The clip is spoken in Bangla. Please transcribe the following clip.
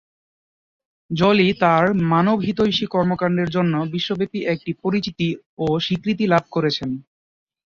জোলি তার মানবহিতৈষী কর্মকাণ্ডের জন্য বিশ্বব্যাপী একটি পরিচিতি ও স্বীকৃতি লাভ করেছেন।